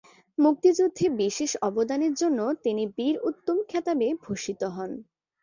মুক্তিযুদ্ধে বিশেষ অবদানের জন্য তিনি বীর উত্তম খেতাবে ভূষিত হন।